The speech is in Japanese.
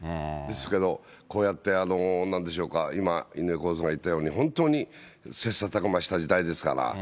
ですけどこうやって、なんでしょうか、今、井上公造が言ったように、本当に切さたく磨した時代ですから。